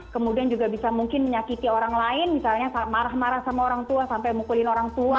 kemudian juga bisa mungkin menyakiti orang lain misalnya marah marah sama orang tua sampai mukulin orang tua